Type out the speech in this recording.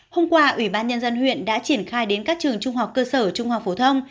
hôm qua ủy ban nhân dân huyện đã triển khai đến các trường trung học cơ sở trung học phổ thông